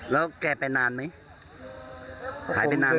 แล้วแกไปนานไหมหายไปนานไหม